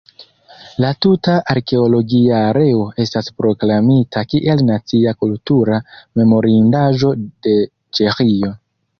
La tuta arkeologia areo estas proklamita kiel Nacia kultura memorindaĵo de Ĉeĥio.